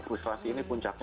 frustrasi ini puncaknya